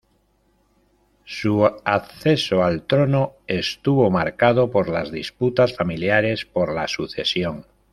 Su acceso al trono estuvo marcado por las disputas familiares por la sucesión.